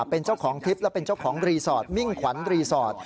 เป็นเจ้าของคลิปและเป็นเจ้าของรีสอร์ทมิ่งขวัญรีสอร์ท